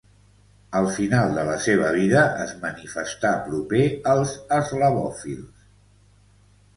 Al final de la seva vida es manifestà proper als eslavòfils.